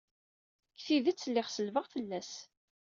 Deg tidet, lliɣ selbeɣ fell-as.